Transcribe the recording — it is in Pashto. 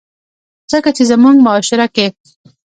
ځکه چې زمونږ معاشره کښې